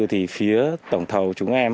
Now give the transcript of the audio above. thì phía tổng thầu chúng em